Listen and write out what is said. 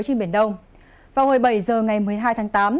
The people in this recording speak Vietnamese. trên biển đông vào hồi bảy giờ ngày một mươi hai tháng tám